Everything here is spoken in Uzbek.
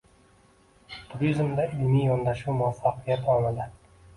Turizmda ilmiy yondashuv muvaffaqiyat omili